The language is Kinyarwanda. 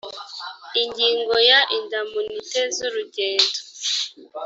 ingingo ya indamunite z urugendo